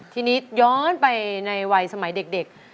ทีนี้ย้อนไปในวัยสมัยเด็ก